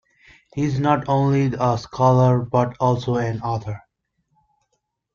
He is not only a scholar, but also an author.